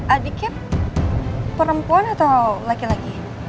adiknya perempuan atau laki laki